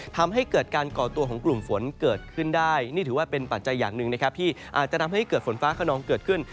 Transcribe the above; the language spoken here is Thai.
ทำให้เกิดการก่อตัวของกลุ่มฝนเกิดขึ้นได้นี่ถือว่าเป็นปัจจัยอย่างหนึ่งนะครับที่อาจจะทำให้เกิดฝนฟ้าขนองเกิดขึ้น